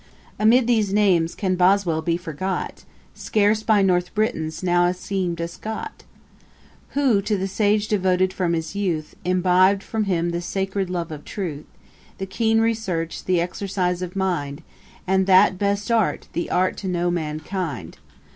Amid these names can BOSWELL be forgot, Scarce by North Britons now esteem'd a Scot? Who to the sage devoted from his youth, Imbib'd from him the sacred love of truth; The keen research, the exercise of mind, And that best art, the art to know mankind.